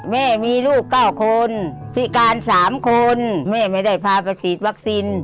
แม่มีลูก๙คนพิการ๓คนแม่ไม่ได้พาไปฉีดวัคซีน